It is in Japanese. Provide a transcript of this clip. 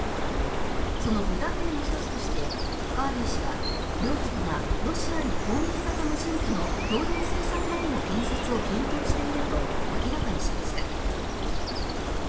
その具体例の１つとしてカービー氏は両国がロシアに攻撃型無人機の共同生産ラインの建設を検討していると明らかにしました。